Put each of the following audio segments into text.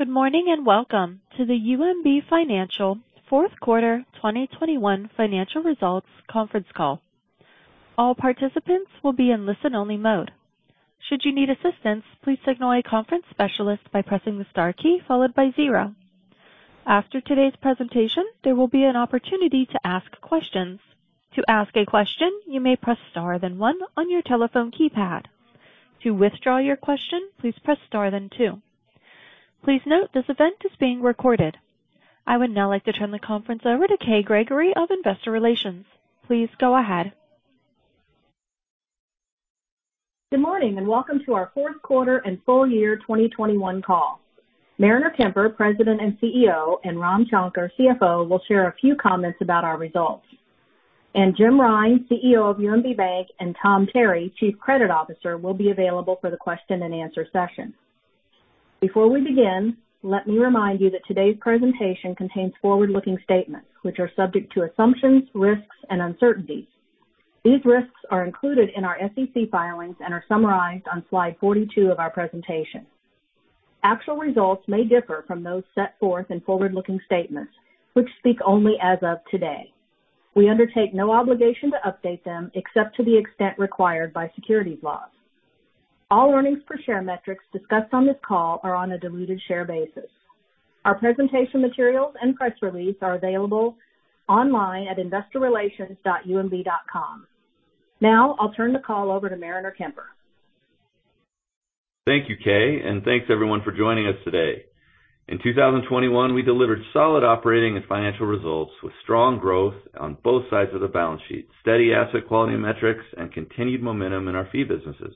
Good morning, and welcome to the UMB Financial Q4 2021 financial results conference call. All participants will be in listen-only mode. Should you need assistance, please signal a conference specialist by pressing the star key followed by zero. After today's presentation, there will be an opportunity to ask questions. To ask a question, you may press star then one on your telephone keypad. To withdraw your question, please press star then two. Please note this event is being recorded. I would now like to turn the conference over to Kay Gregory of Investor Relations. Please go ahead. Good morning, and welcome to our fourth quarter and full year 2021 call. Mariner Kemper, President and CEO, and Ram Shankar, CFO, will share a few comments about our results. Jim Rine, CEO of UMB Bank, and Tom Terry, Chief Credit Officer, will be available for the question-and-answer session. Before we begin, let me remind you that today's presentation contains forward-looking statements which are subject to assumptions, risks, and uncertainties. These risks are included in our SEC filings and are summarized on slide 42 of our presentation. Actual results may differ from those set forth in forward-looking statements which speak only as of today. We undertake no obligation to update them except to the extent required by securities laws. All earnings per share metrics discussed on this call are on a diluted share basis. Our presentation materials and press release are available online at investorrelations.umb.com. Now I'll turn the call over to Mariner Kemper. Thank you, Kay, and thanks everyone for joining us today. In 2021, we delivered solid operating and financial results with strong growth on both sides of the balance sheet, steady asset quality metrics, and continued momentum in our fee businesses.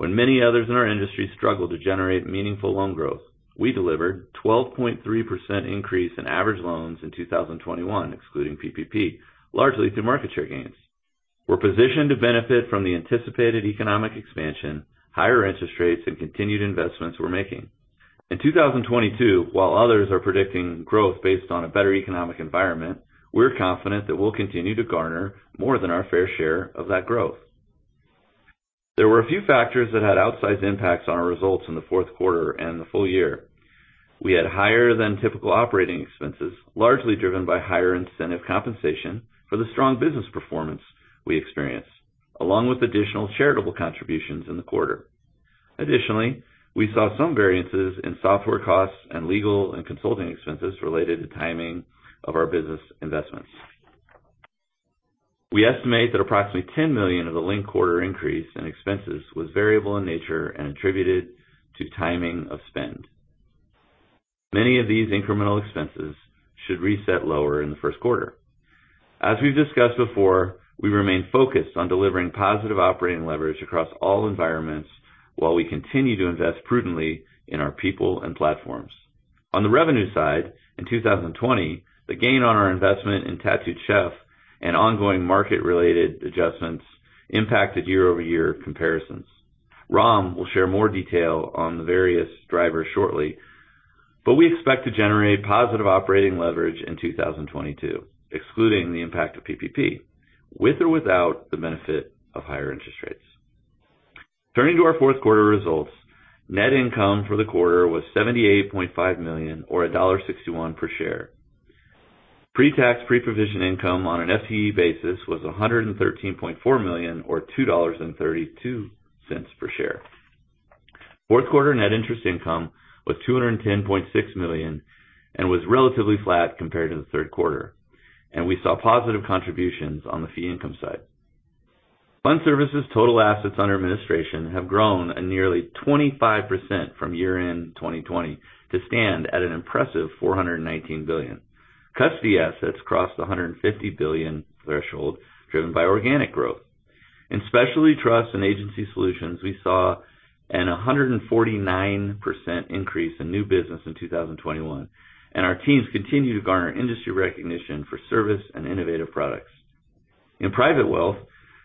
When many others in our industry struggled to generate meaningful loan growth, we delivered 12.3% increase in average loans in 2021, excluding PPP, largely through market share gains. We're positioned to benefit from the anticipated economic expansion, higher interest rates, and continued investments we're making. In 2022, while others are predicting growth based on a better economic environment, we're confident that we'll continue to garner more than our fair share of that growth. There were a few factors that had outsized impacts on our results in the fourth quarter and the full year. We had higher than typical operating expenses, largely driven by higher incentive compensation for the strong business performance we experienced, along with additional charitable contributions in the quarter. Additionally, we saw some variances in software costs and legal and consulting expenses related to timing of our business investments. We estimate that approximately $10 million of the linked quarter increase in expenses was variable in nature and attributed to timing of spend. Many of these incremental expenses should reset lower in the first quarter. As we've discussed before, we remain focused on delivering positive operating leverage across all environments while we continue to invest prudently in our people and platforms. On the revenue side, in 2020, the gain on our investment in Tattooed Chef and ongoing market-related adjustments impacted year-over-year comparisons. Ram will share more detail on the various drivers shortly, but we expect to generate positive operating leverage in 2022, excluding the impact of PPP, with or without the benefit of higher interest rates. Turning to our fourth quarter results, net income for the quarter was $78.5 million or $1.61 per share. Pre-tax, pre-provision income on an FTE basis was $113.4 million or $2.32 per share. Fourth quarter net interest income was $210.6 million and was relatively flat compared to the third quarter. We saw positive contributions on the fee income side. Fund Services total assets under administration have grown at nearly 25% from year-end 2020 to stand at an impressive $419 billion. Custody assets crossed $150 billion threshold driven by organic growth. In Specialty Trusts and Agency Solutions, we saw a 149% increase in new business in 2021, and our teams continue to garner industry recognition for service and innovative products. In Private Wealth,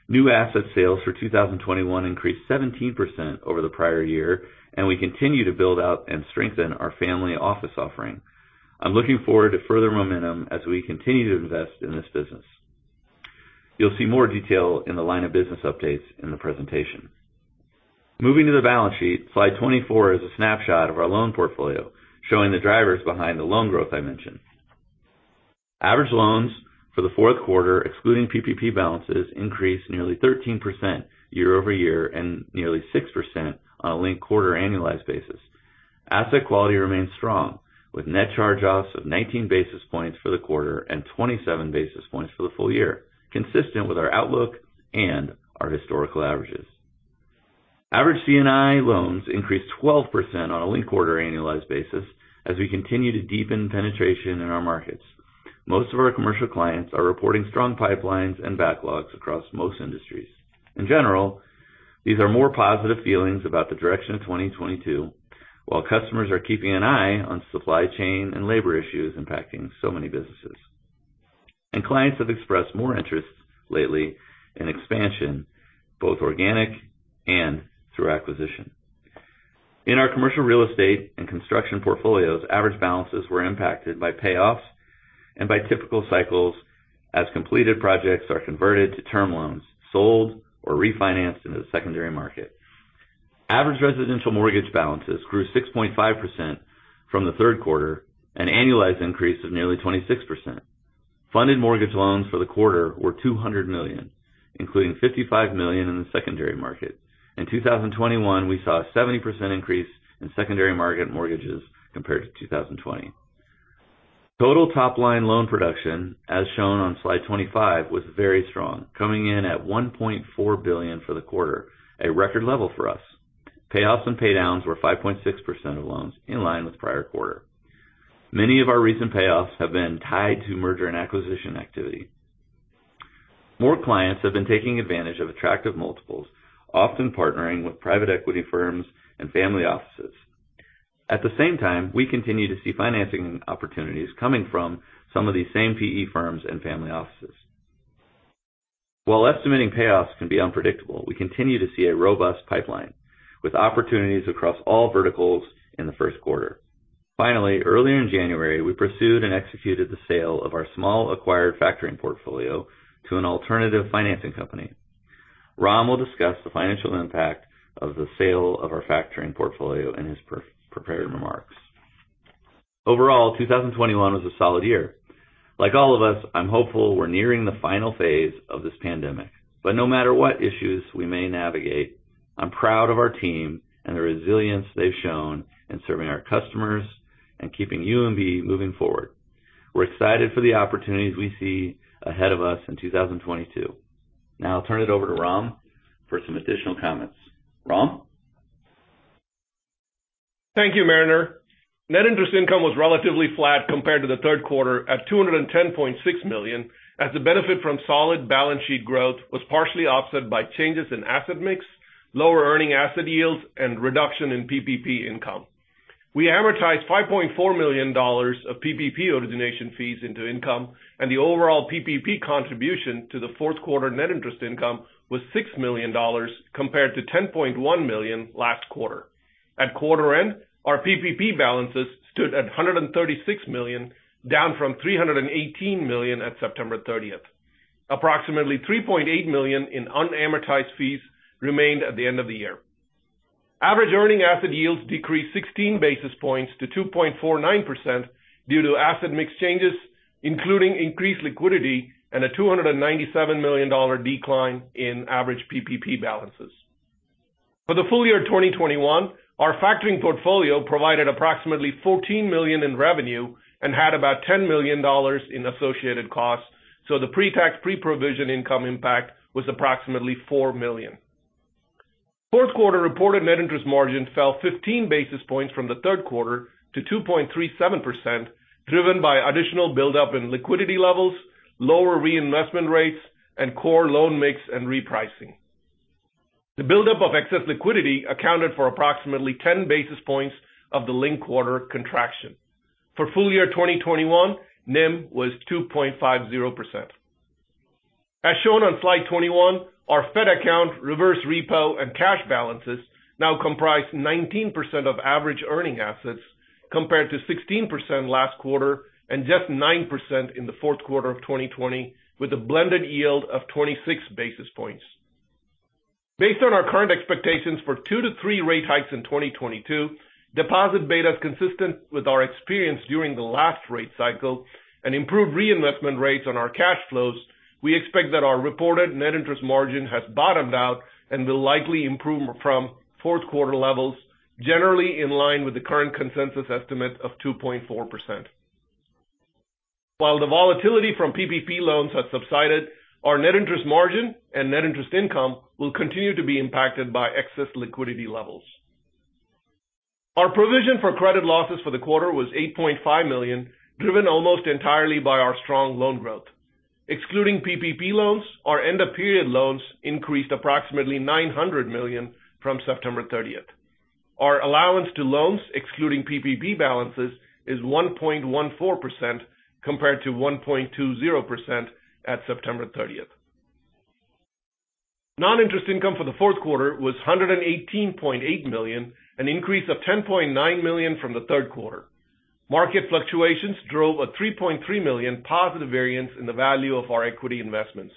new asset sales for 2021 increased 17% over the prior year, and we continue to build out and strengthen our family office offering. I'm looking forward to further momentum as we continue to invest in this business. You'll see more detail in the line of business updates in the presentation. Moving to the balance sheet, slide 24 is a snapshot of our loan portfolio showing the drivers behind the loan growth I mentioned. Average loans for the fourth quarter, excluding PPP balances, increased nearly 13% year-over-year and nearly 6% on a linked-quarter annualized basis. Asset quality remains strong with net charge-offs of 19 basis points for the quarter and 27 basis points for the full year, consistent with our outlook and our historical averages. Average C&I loans increased 12% on a linked-quarter annualized basis as we continue to deepen penetration in our markets. Most of our commercial clients are reporting strong pipelines and backlogs across most industries. In general, these are more positive feelings about the direction of 2022, while customers are keeping an eye on supply chain and labor issues impacting so many businesses. Clients have expressed more interest lately in expansion, both organic and through acquisition. In our commercial real estate and construction portfolios, average balances were impacted by payoffs. By typical cycles as completed projects are converted to term loans, sold or refinanced into the secondary market. Average residential mortgage balances grew 6.5% from the third quarter, an annualized increase of nearly 26%. Funded mortgage loans for the quarter were $200 million, including $55 million in the secondary market. In 2021, we saw a 70% increase in secondary market mortgages compared to 2020. Total top line loan production, as shown on slide 25, was very strong, coming in at $1.4 billion for the quarter, a record level for us. Payoffs and pay downs were 5.6% of loans in line with prior quarter. Many of our recent payoffs have been tied to merger and acquisition activity. More clients have been taking advantage of attractive multiples, often partnering with private equity firms and family offices. At the same time, we continue to see financing opportunities coming from some of these same PE firms and family offices. While estimating payoffs can be unpredictable, we continue to see a robust pipeline with opportunities across all verticals in the first quarter. Finally, earlier in January, we pursued and executed the sale of our small acquired factoring portfolio to an alternative financing company. Ram will discuss the financial impact of the sale of our factoring portfolio in his pre-prepared remarks. Overall, 2021 was a solid year. Like all of us, I'm hopeful we're nearing the final phase of this pandemic. No matter what issues we may navigate, I'm proud of our team and the resilience they've shown in serving our customers and keeping UMB moving forward. We're excited for the opportunities we see ahead of us in 2022. Now I'll turn it over to Ram for some additional comments. Ram? Thank you, Mariner. Net interest income was relatively flat compared to the third quarter at $210.6 million, as the benefit from solid balance sheet growth was partially offset by changes in asset mix, lower earning asset yields, and reduction in PPP income. We amortized $5.4 million of PPP origination fees into income, and the overall PPP contribution to the fourth quarter net interest income was $6 million compared to $10.1 million last quarter. At quarter end, our PPP balances stood at $136 million, down from $318 million at September 30. Approximately $3.8 million in unamortized fees remained at the end of the year. Average earning asset yields decreased 16 basis points to 2.49% due to asset mix changes, including increased liquidity and a $297 million decline in average PPP balances. For the full year 2021, our factoring portfolio provided approximately $14 million in revenue and had about $10 million in associated costs, so the pre-tax, pre-provision income impact was approximately $4 million. Fourth quarter reported net interest margin fell 15 basis points from the third quarter to 2.37%, driven by additional buildup in liquidity levels, lower reinvestment rates, and core loan mix and repricing. The buildup of excess liquidity accounted for approximately 10 basis points of the linked quarter contraction. For full year 2021, NIM was 2.50%. As shown on slide 21, our Fed account, reverse repo, and cash balances now comprise 19% of average earning assets, compared to 16% last quarter and just 9% in the fourth quarter of 2020, with a blended yield of 26 basis points. Based on our current expectations for two to three rate hikes in 2022, deposit betas consistent with our experience during the last rate cycle and improved reinvestment rates on our cash flows, we expect that our reported net interest margin has bottomed out and will likely improve from fourth quarter levels generally in line with the current consensus estimate of 2.4%. While the volatility from PPP loans has subsided, our net interest margin and net interest income will continue to be impacted by excess liquidity levels. Our provision for credit losses for the quarter was $8.5 million, driven almost entirely by our strong loan growth. Excluding PPP loans, our end of period loans increased approximately $900 million from September 30. Our allowance to loans, excluding PPP balances, is 1.14% compared to 1.20% at September 30. Non-interest income for the fourth quarter was $118.8 million, an increase of $10.9 million from the third quarter. Market fluctuations drove a $3.3 million positive variance in the value of our equity investments.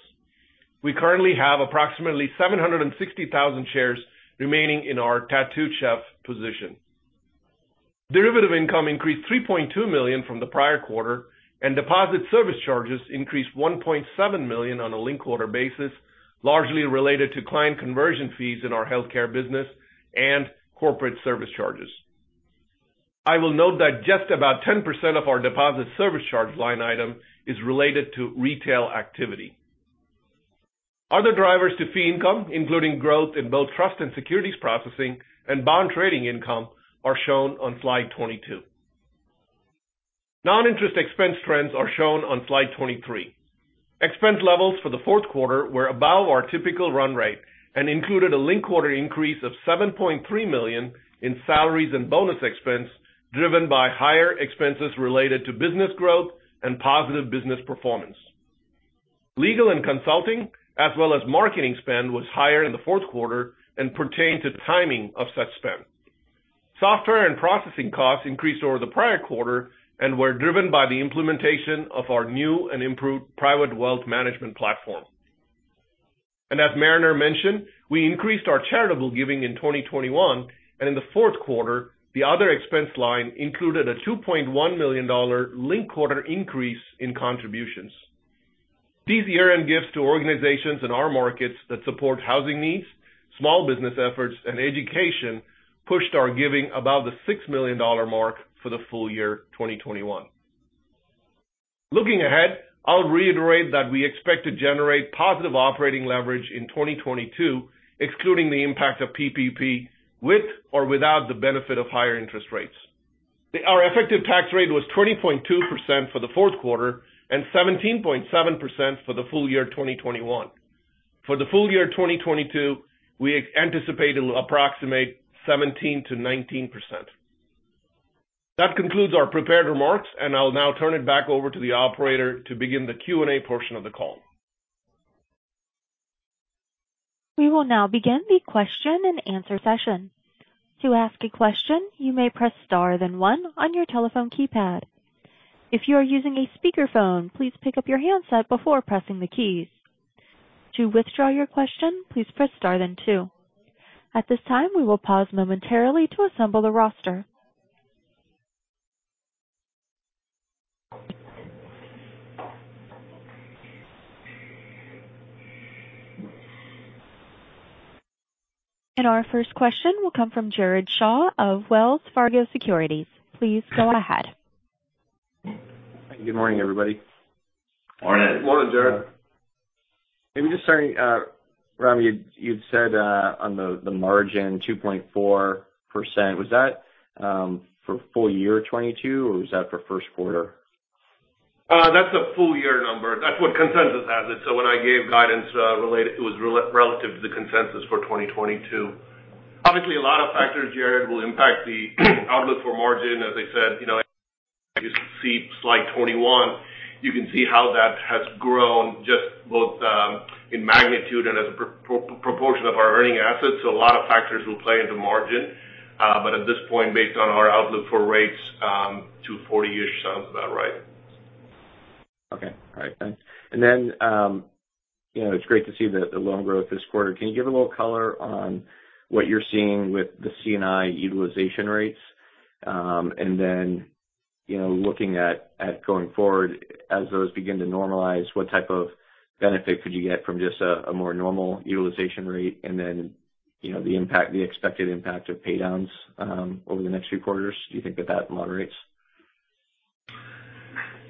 We currently have approximately 760,000 shares remaining in our Tattooed Chef position. Derivative income increased $3.2 million from the prior quarter, and deposit service charges increased $1.7 million on a linked quarter basis, largely related to client conversion fees in our healthcare business and corporate service charges. I will note that just about 10% of our deposit service charge line item is related to retail activity. Other drivers to fee income, including growth in both trust and securities processing and bond trading income are shown on slide 22. Non-interest expense trends are shown on slide 23. Expense levels for the fourth quarter were above our typical run rate and included a linked quarter increase of $7.3 million in salaries and bonus expense, driven by higher expenses related to business growth and positive business performance. Legal and consulting as well as marketing spend was higher in the fourth quarter and pertain to the timing of such spend. Software and processing costs increased over the prior quarter and were driven by the implementation of our new and improved Private Wealth Management platform. As Mariner mentioned, we increased our charitable giving in 2021, and in the fourth quarter, the other expense line included a $2.1 million linked quarter increase in contributions. These year-end gifts to organizations in our markets that support housing needs, small business efforts, and education pushed our giving above the $6 million mark for the full year 2021. Looking ahead, I'll reiterate that we expect to generate positive operating leverage in 2022, excluding the impact of PPP with or without the benefit of higher interest rates. Our effective tax rate was 20.2% for the fourth quarter and 17.7% for the full year 2021. For the full year 2022, we anticipate it'll approximate 17%-19%. That concludes our prepared remarks, and I'll now turn it back over to the operator to begin the Q&A portion of the call. We will now begin the question and answer session. To ask a question, you may press star then one on your telephone keypad. If you are using a speakerphone, please pick up your handset before pressing the keys. To withdraw your question, please press star then two. At this time, we will pause momentarily to assemble the roster. Our first question will come from Jared Shaw of Wells Fargo Securities. Please go ahead. Good morning, everybody. Morning. Morning, Jared. Maybe just starting, Rami, you'd said on the margin 2.4%, was that for full year 2022 or was that for first quarter? That's a full year number. That's what consensus has it. When I gave guidance, it was relative to the consensus for 2022. Obviously, a lot of factors, Jared, will impact the outlook for margin. As I said, you know, if you see slide 21, you can see how that has grown just both in magnitude and as a proportion of our earning assets. A lot of factors will play into margin. At this point, based on our outlook for rates, 2.40%-ish sounds about right. It's great to see the loan growth this quarter. Can you give a little color on what you're seeing with the C&I utilization rates? You know, looking at going forward, as those begin to normalize, what type of benefit could you get from just a more normal utilization rate? You know, the expected impact of pay downs over the next few quarters. Do you think that moderates?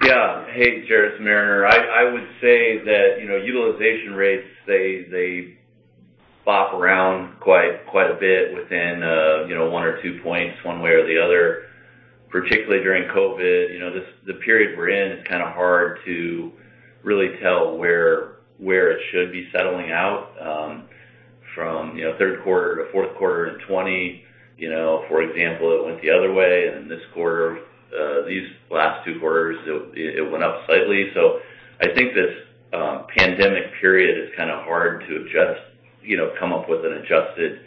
Yeah. Hey, Jared, it's Mariner. I would say that, you know, utilization rates, they bop around quite a bit within, you know, one or two points one way or the other, particularly during COVID. You know, this, the period we're in, it's kind of hard to really tell where it should be settling out, from, you know, third quarter to fourth quarter in 2020. You know, for example, it went the other way. This quarter, these last two quarters, it went up slightly. I think this pandemic period is kind of hard to adjust, you know, come up with an adjusted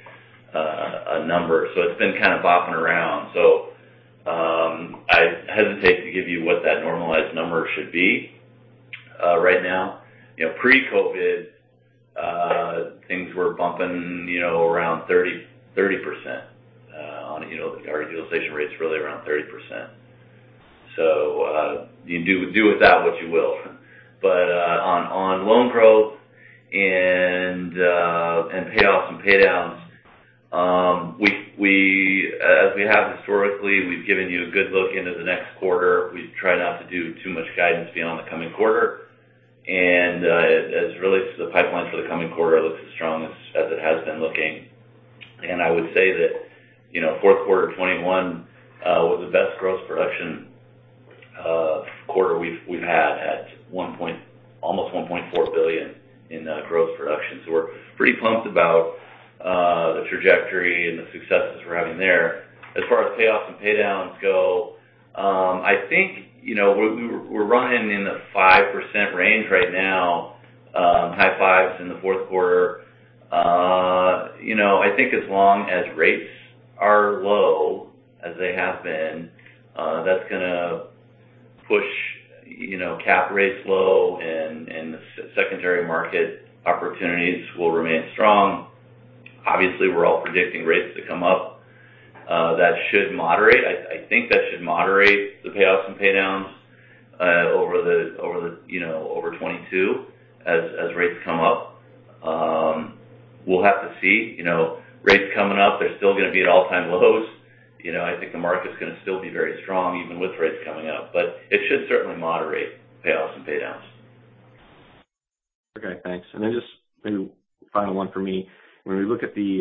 number. It's been kind of bopping around. I hesitate to give you what that normalized number should be, right now. You know, pre-COVID, things were bumping, you know, around 30% on, you know, our utilization rate's really around 30%. You do with that what you will. On loan growth and payoffs and pay downs, as we have historically, we've given you a good look into the next quarter. We try not to do too much guidance beyond the coming quarter. As relates to the pipeline for the coming quarter, it looks as strong as it has been looking. I would say that, you know, fourth quarter 2021 was the best gross production quarter we've had almost $1.4 billion in gross production. We're pretty pumped about the trajectory and the successes we're having there. As far as payoffs and pay downs go, I think, you know, we're running in the 5% range right now, high 5s in the fourth quarter. You know, I think as long as rates are low as they have been, that's gonna push, you know, cap rates low and the secondary market opportunities will remain strong. Obviously, we're all predicting rates to come up. That should moderate the payoffs and pay downs over 2022 as rates come up. We'll have to see. You know, rates coming up, they're still gonna be at all-time lows. You know, I think the market's gonna still be very strong even with rates coming up. It should certainly moderate payoffs and pay downs. Okay, thanks. Just maybe final one for me. When we look at the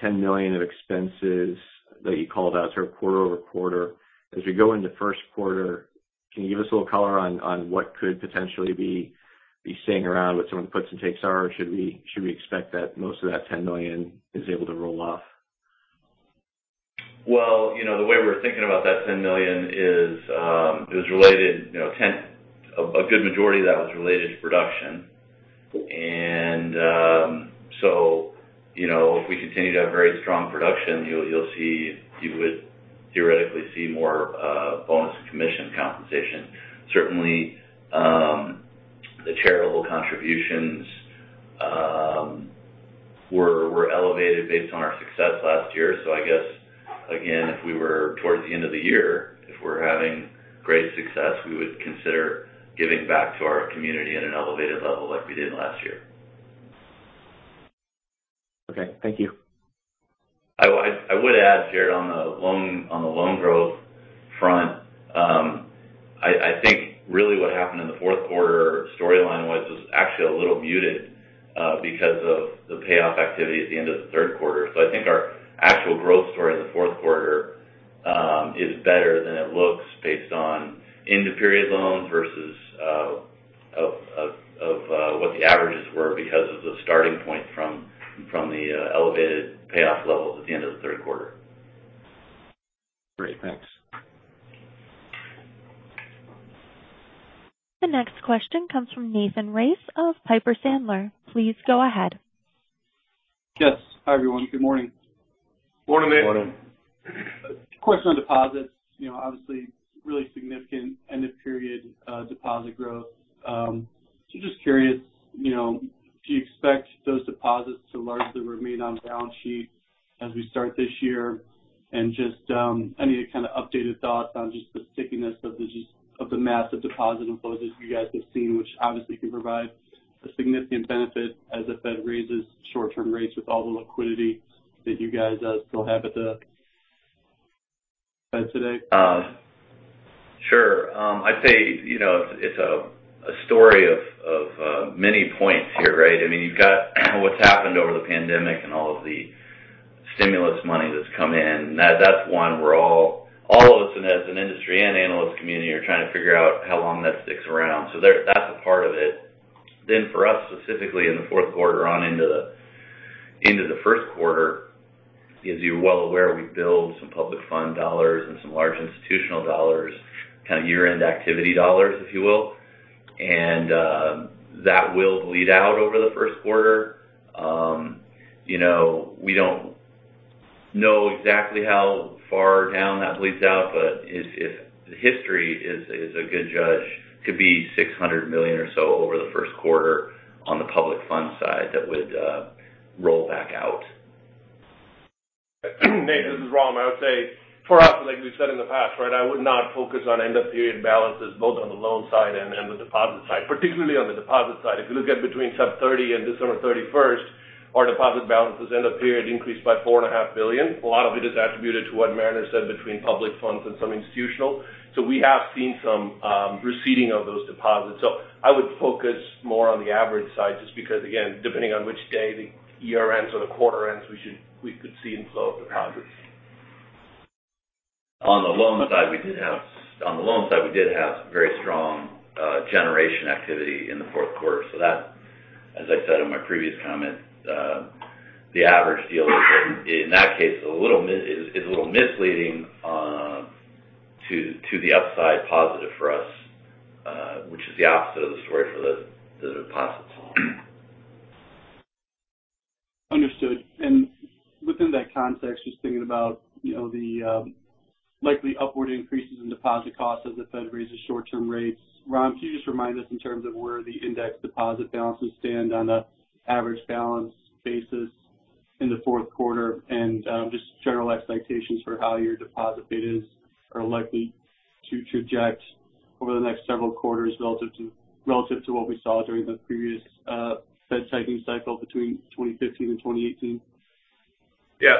$10 million of expenses that you called out sort of quarter-over-quarter, as we go into first quarter, can you give us a little color on what could potentially be staying around with some of the puts and takes are, or should we expect that most of that $10 million is able to roll off? Well, you know, the way we're thinking about that $10 million is, it was related, you know, a good majority of that was related to production. You know, if we continue to have very strong production, you would theoretically see more bonus and commission compensation. Certainly, the charitable contributions were elevated based on our success last year. I guess, again, if we were towards the end of the year, if we're having great success, we would consider giving back to our community at an elevated level like we did last year. Okay. Thank you. I would add, Jared, on the loan growth front, I think really what happened in the fourth quarter storyline was actually a little muted because of the payoff activity at the end of the third quarter. I think our actual growth story in the fourth quarter is better than it looks based on end-of-period loans versus what the averages were because of the starting point from the elevated payoff levels at the end of the third quarter. Great. Thanks. The next question comes from Nathan Race of Piper Sandler. Please go ahead. Yes. Hi, everyone. Good morning. Morning, Nathan. Question on deposits. You know, obviously really significant end-of-period deposit growth. Just curious, you know, do you expect those deposits to largely remain on balance sheet as we start this year? Just any kind of updated thoughts on just the stickiness of the massive deposit inflows that you guys have seen, which obviously can provide a significant benefit as the Fed raises short-term rates with all the liquidity that you guys still have at the Fed today? Sure. I'd say, you know, it's a story of many points here, right? I mean, you've got what's happened over the pandemic and all of the stimulus money that's come in. That's one we're all of us as an industry and analyst community are trying to figure out how long that sticks around. That's a part of it. For us, specifically in the fourth quarter on into the first quarter, as you're well aware, we build some public fund dollars and some large institutional dollars, kind of year-end activity dollars, if you will. That will bleed out over the first quarter. You know, we don't know exactly how far down that bleeds out, but if history is a good judge, could be $600 million or so over the first quarter on the public funds side that would roll back out. Nathan, this is Ram. I would say for us, like we've said in the past, right, I would not focus on end-of-period balances, both on the loan side and the deposit side, particularly on the deposit side. If you look at between September 30 and December 31, our deposit balances end of period increased by $4.5 billion. A lot of it is attributed to what Meriner said between public funds and some institutional. We have seen some receding of those deposits. I would focus more on the average side just because again, depending on which day the year ends or the quarter ends, we could see inflow of deposits. On the loan side, we did have very strong origination activity in the fourth quarter. That, as I said in my previous comment, the average deal is, in that case, a little misleading to the upside positive for us, which is the opposite of the story for the deposits. Understood. Within that context, just thinking about, you know, the likely upward increases in deposit costs as the Fed raises short-term rates. Ram, can you just remind us in terms of where the index deposit balances stand on a average balance basis in the fourth quarter and just general expectations for how your deposit betas are likely to traject over the next several quarters relative to what we saw during the previous Fed tightening cycle between 2015 and 2018? Yeah.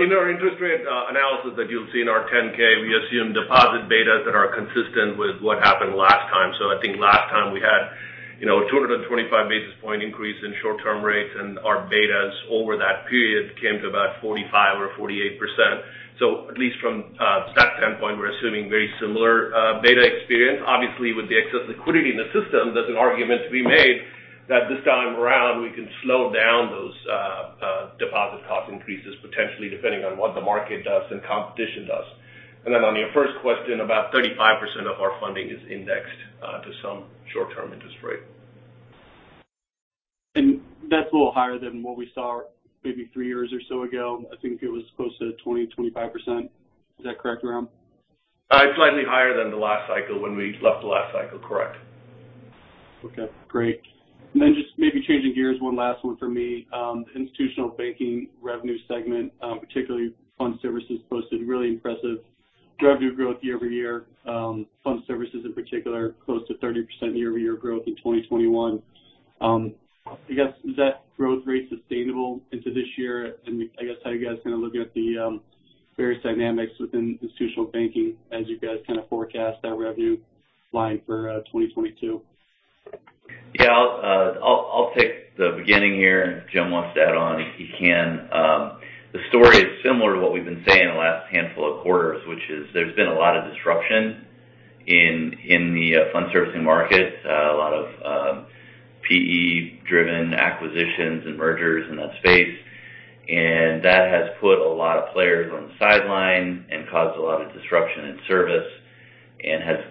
In our interest rate analysis that you'll see in our 10-K, we assume deposit betas that are consistent with what happened last time. I think last time we had, you know, 225 basis point increase in short-term rates, and our betas over that period came to about 45% or 48%. At least from that standpoint, we're assuming very similar beta experience. Obviously, with the excess liquidity in the system, there's an argument to be made that this time around, we can slow down those deposit cost increases potentially, depending on what the market does and competition does. Then on your first question, about 35% of our funding is indexed to some short-term interest rate. That's a little higher than what we saw maybe 3 years or so ago. I think it was close to 20, 25%. Is that correct, Ram? It's slightly higher than the last cycle when we left the last cycle. Correct. Okay, great. Just maybe changing gears, one last one for me. Institutional Banking revenue segment, particularly Fund Services, posted really impressive revenue growth year-over-year. Fund Services in particular, close to 30% year-over-year growth in 2021. I guess, is that growth rate sustainable into this year? I guess how you guys kind of looking at the various dynamics within Institutional Banking as you guys kind of forecast that revenue line for 2022? Yeah. I'll take the beginning here. Jim wants to add on if he can. The story is similar to what we've been saying the last handful of quarters, which is there's been a lot of disruption in the fund servicing market, a lot of PE-driven acquisitions and mergers in that space. That has put a lot of players on the sidelines and caused a lot of disruption in service.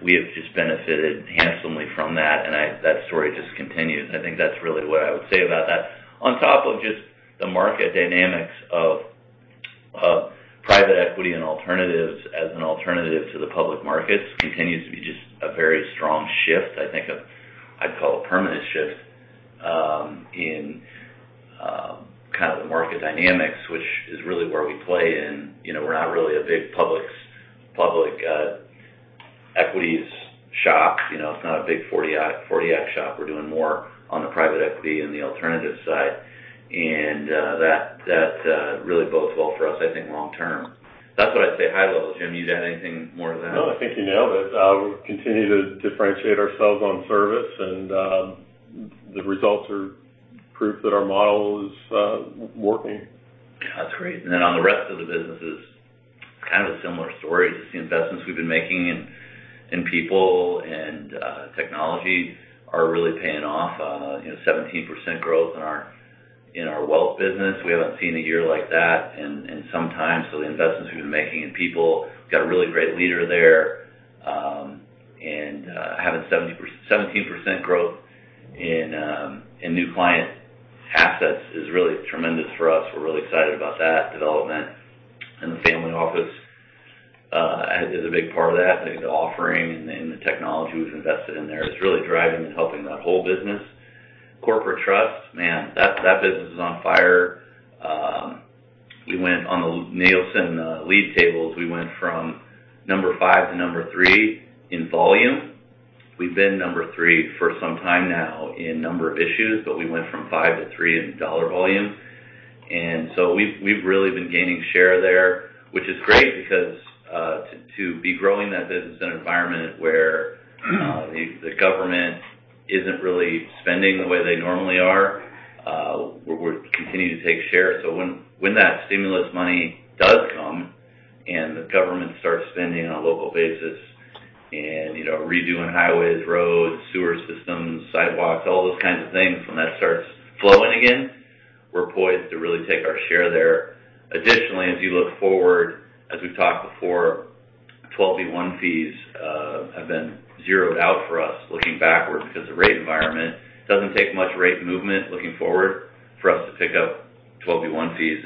We have just benefited handsomely from that. That story just continues. I think that's really what I would say about that. On top of just the market dynamics of private equity and alternatives as an alternative to the public markets continues to be just a very strong shift. I think I'd call a permanent shift in kind of the market dynamics, which is really where we play in. You know, we're not really a big public equities shop, you know. It's not a big '40 Act shop. We're doing more on the private equity and the alternative side. That really bodes well for us, I think, long term. That's what I'd say high level. Jim, you'd add anything more to that? No, I think you nailed it. We continue to differentiate ourselves on service and the results are proof that our model is working. That's great. On the rest of the businesses, kind of a similar story. Just the investments we've been making in people and technology are really paying off. You know, 17% growth in our wealth business. We haven't seen a year like that in some time. The investments we've been making in people. We've got a really great leader there. Having 17% growth in new client assets is really tremendous for us. We're really excited about that development. The family office is a big part of that. I think the offering and the technology we've invested in there is really driving and helping that whole business. Corporate trust, man, that business is on fire. We went on the Nielsen league tables. We went from number five to number three in volume. We've been number three for some time now in number of issues, but we went from five to three in dollar volume. We've really been gaining share there, which is great because to be growing that business in an environment where the government isn't really spending the way they normally are, we're continuing to take share. When that stimulus money does come, and the government starts spending on a local basis and, you know, redoing highways, roads, sewer systems, sidewalks, all those kinds of things, when that starts flowing again, we're poised to really take our share there. Additionally, as you look forward, as we've talked before, 12b-1 fees have been zeroed out for us looking backwards because the rate environment doesn't take much rate movement looking forward for us to pick up 12b-1 fees.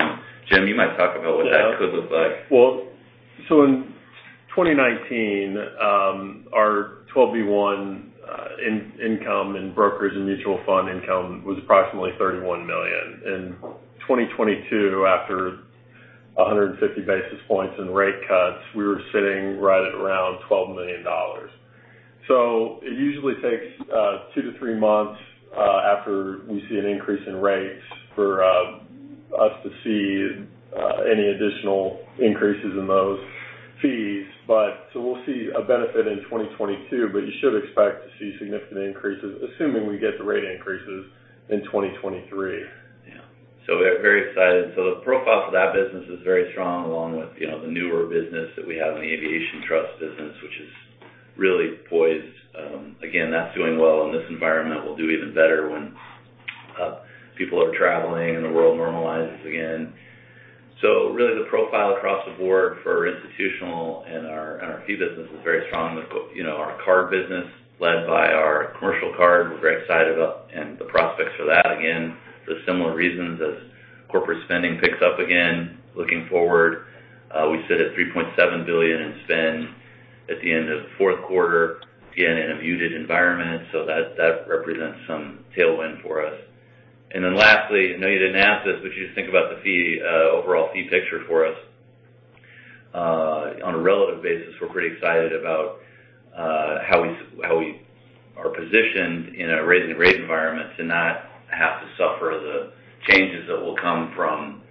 Jim, you might talk about what that could look like. In 2019, our 12b-1 income and brokers and mutual fund income was approximately $31 million. In 2022, after 150 basis points in rate cuts, we were sitting right at around $12 million. It usually takes two to three months after we see an increase in rates for us to see any additional increases in those fees. We'll see a benefit in 2022, but you should expect to see significant increases, assuming we get the rate increases in 2023. Yeah. We're very excited. The profile for that business is very strong, along with, you know, the newer business that we have in the aviation trust business, which is really poised. Again, that's doing well in this environment, will do even better when people are traveling and the world normalizes again. Really the profile across the board for institutional and our fee business is very strong. With, you know, our card business led by our commercial card, we're very excited about and the prospects for that, again, for similar reasons as corporate spending picks up again looking forward. We sit at $3.7 billion in spend at the end of fourth quarter, again, in a muted environment. That represents some tailwind for us. Then lastly, I know you didn't ask this, but you just think about the fee, overall fee picture for us. On a relative basis, we're pretty excited about how we are positioned in a rising rate environment to not have to suffer the changes that will come from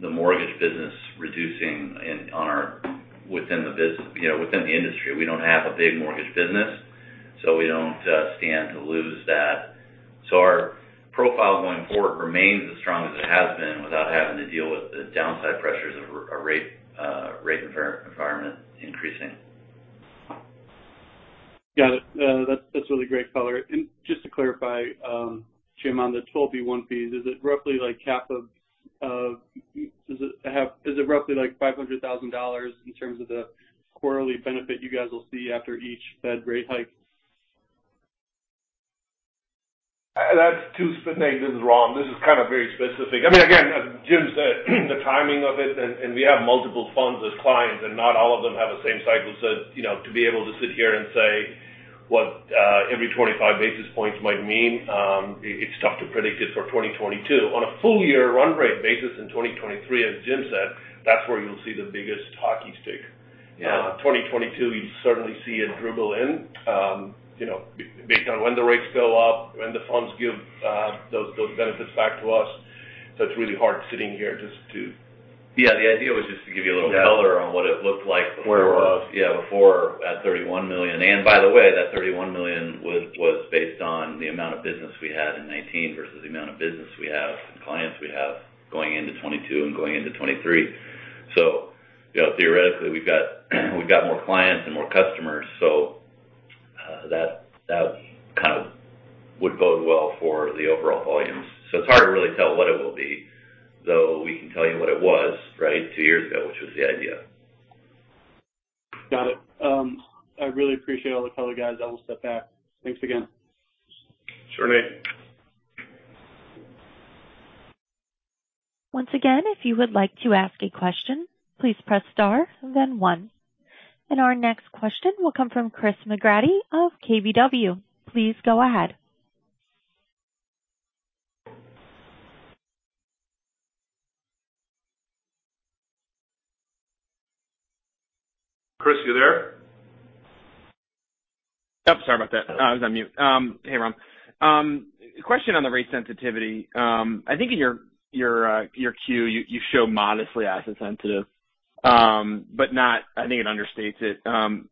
the mortgage business reducing, you know, within the industry. We don't have a big mortgage business, so we don't stand to lose that. Our profile going forward remains as strong as it has been without having to deal with the downside pressures of a rate environment increasing. Got it. That's really great color. Just to clarify, Jim, on the 12b-1 fees, is it roughly like half of $500,000 in terms of the quarterly benefit you guys will see after each Fed rate hike? Maybe this is wrong. This is kind of very specific. I mean, again, as Jim said, the timing of it, and we have multiple funds with clients, and not all of them have the same cycle. You know, to be able to sit here and say what every 25 basis points might mean, it's tough to predict it for 2022. On a full year run rate basis in 2023, as Jim said, that's where you'll see the biggest hockey stick. Yeah. 2022, you certainly see it dribble in, you know, based on when the rates go up, when the funds give those benefits back to us. It's really hard sitting here just to- Yeah. The idea was just to give you a little color on what it looked like before. Where it was. Yeah, before at $31 million. By the way, that $31 million was based on the amount of business we had in 2019 versus the amount of business we have and clients we have going into 2022 and going into 2023. You know, theoretically, we've got more clients and more customers. Would bode well for the overall volumes. It's hard to really tell what it will be, though we can tell you what it was, right? Two years ago, which was the idea. Got it. I really appreciate all the color guys. I will step back. Thanks again. Sure, Nathan. Once again, if you would like to ask a question, please press star then one. Our next question will come from Christopher McGratty of KBW. Please go ahead. Chris, you there? Yep. Sorry about that. I was on mute. Hey, Ram. Question on the rate sensitivity. I think in your Q, you show modestly asset sensitive, but I think it understates it. I'm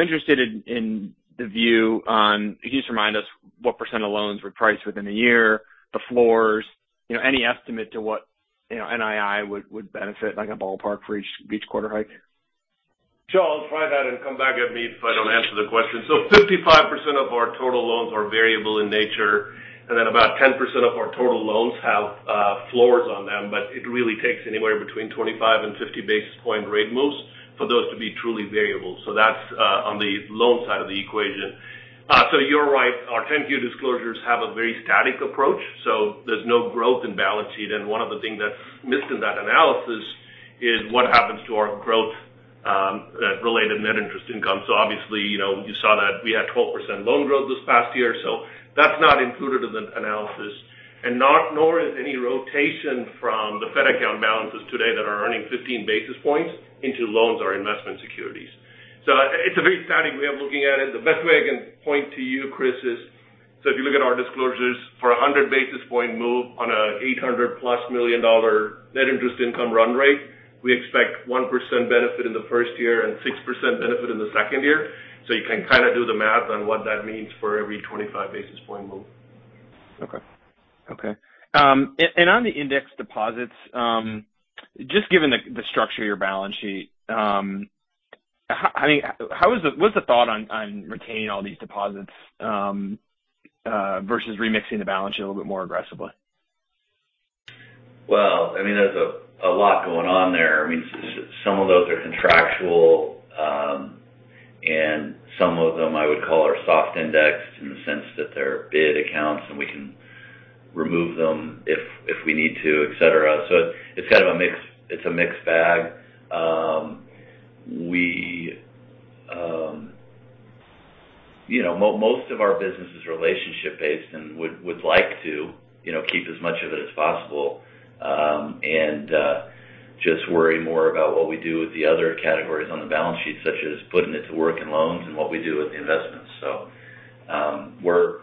interested in the view on can you just remind us what % of loans were priced within a year, the floors, you know, any estimate to what, you know, NII would benefit like a ballpark for each quarter hike. Sure. I'll try that and come back at me if I don't answer the question. 55% of our total loans are variable in nature, and then about 10% of our total loans have floors on them. But it really takes anywhere between 25-50 basis points rate moves for those to be truly variable. That's on the loan side of the equation. You're right. Our 10-Q disclosures have a very static approach. There's no growth in balance sheet. One of the things that's missed in that analysis is what happens to our growth-related net interest income. Obviously, you know, you saw that we had 12% loan growth this past year, so that's not included in the analysis. Not nor is any rotation from the Fed account balances today that are earning 15 basis points into loans or investment securities. It's a very static way of looking at it. The best way I can point to you, Chris, is if you look at our disclosures for a 100 basis point move on an $800+ million net interest income run rate. We expect 1% benefit in the first year and 6% benefit in the second year. You can kind of do the math on what that means for every 25 basis point move. On the indexed deposits, just given the structure of your balance sheet, what's the thought on retaining all these deposits versus remixing the balance sheet a little bit more aggressively? Well, I mean, there's a lot going on there. I mean, some of those are contractual, and some of them I would call our soft indexed in the sense that they're bid accounts, and we can remove them if we need to, et cetera. It's kind of a mix. It's a mixed bag. You know, most of our business is relationship based and would like to keep as much of it as possible, and just worry more about what we do with the other categories on the balance sheet, such as putting it to work in loans and what we do with the investments. We're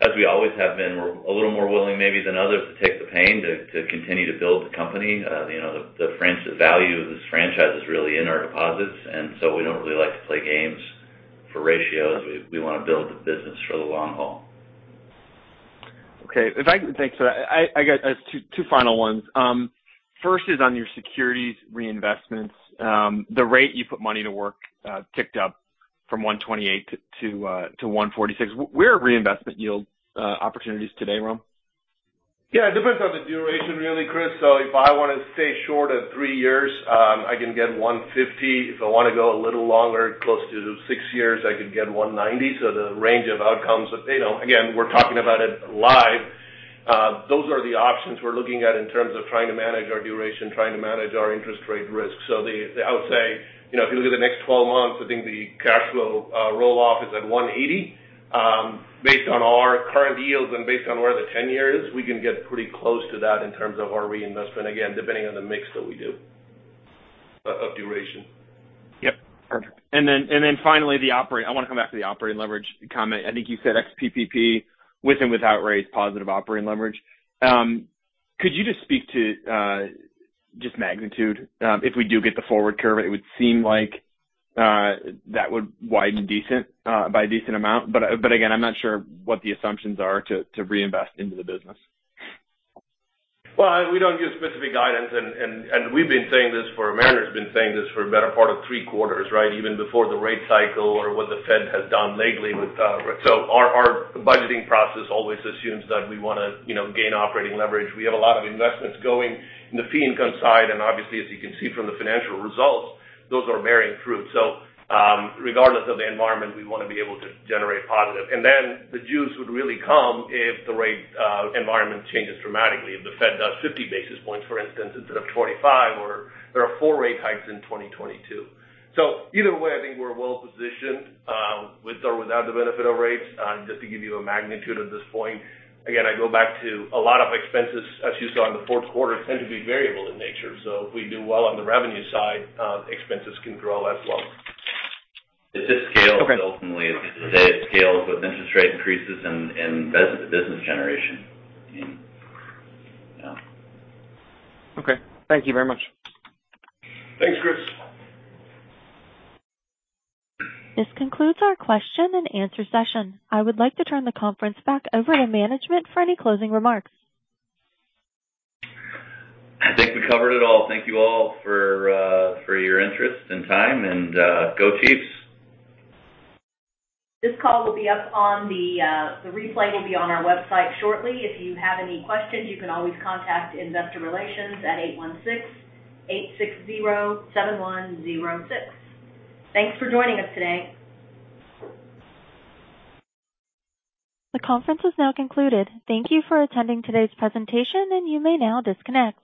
as we always have been, we're a little more willing maybe than others to take the pain to continue to build the company. You know, the franchise value of this franchise is really in our deposits, and so we don't really like to play games for ratios. We want to build the business for the long haul. Thanks for that. I got two final ones. First is on your securities reinvestments. The rate you put money to work ticked up from 1.28 to 1.46. Where are reinvestment yield opportunities today, Ram? Yeah, it depends on the duration really, Chris. If I want to stay short of three years, I can get 1.50%. If I want to go a little longer, close to six years, I could get 1.90%. The range of outcomes that you know again, we're talking about it live. Those are the options we're looking at in terms of trying to manage our duration, trying to manage our interest rate risk. I would say, you know, if you look at the next 12 months, I think the cash flow roll-off is at 1.80%. Based on our current yields and based on where the 10-year is, we can get pretty close to that in terms of our reinvestment, again, depending on the mix that we do of duration. Yep. Perfect. Finally, I want to come back to the operating leverage comment. I think you said ex-PPP with and without rates positive operating leverage. Could you just speak to just magnitude? If we do get the forward curve, it would seem like that would widen decent by a decent amount. Again, I'm not sure what the assumptions are to reinvest into the business. Well, we don't give specific guidance. We've been saying this. Management's been saying this for the better part of three quarters, right? Even before the rate cycle or what the Fed has done lately with our budgeting process always assumes that we want to, you know, gain operating leverage. We have a lot of investments going in the fee income side. Obviously, as you can see from the financial results, those are bearing fruit. Regardless of the environment, we want to be able to generate positive. Then the juice would really come if the rate environment changes dramatically. If the Fed does 50 basis points, for instance, instead of 25 or there are four rate hikes in 2022. Either way, I think we're well positioned with or without the benefit of rates. Just to give you a magnitude at this point, again, I go back to a lot of expenses, as you saw in the fourth quarter, tend to be variable in nature. If we do well on the revenue side, expenses can grow as well. It just scales ultimately. It scales with interest rate increases and business generation. Yeah. Okay. Thank you very much. Thanks, Chris. This concludes our question and answer session. I would like to turn the conference back over to management for any closing remarks. I think we covered it all. Thank you all for your interest and time. Go Chiefs. This call will be up on the website. The replay will be on our website shortly. If you have any questions, you can always contact Investor Relations at 816-860-7106. Thanks for joining us today. The conference is now concluded. Thank you for attending today's presentation, and you may now disconnect.